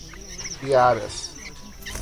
Iaras